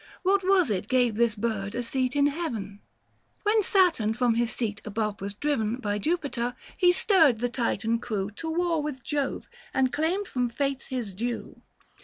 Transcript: What was it gave this bird a seat in Heaven ? 850 When Saturn from his seat above was driven By Jupiter, he stirred the Titan crew To war with Jove, and claimed from Fates his due.